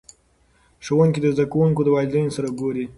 ښوونکي د زده کوونکو د والدینو سره ګوري.